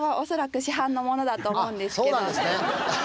そうなんですね。